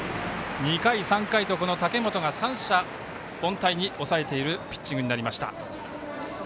２回、３回と武元が三者凡退に抑えているピッチングになりました。